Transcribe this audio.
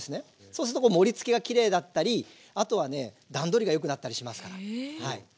そうすると盛りつけがきれいだったりあとはね段取りがよくなったりしますから。